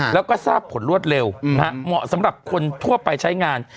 แล้วก็ทราบผลรวดเร็วเหมาะสำหรับคนทั่วไปใช้งาน